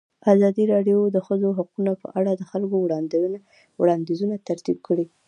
ازادي راډیو د د ښځو حقونه په اړه د خلکو وړاندیزونه ترتیب کړي.